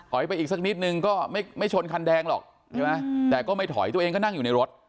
ไปอีกสักนิดนึงก็ไม่ชนคันแดงหรอกใช่ไหมแต่ก็ไม่ถอยตัวเองก็นั่งอยู่ในรถ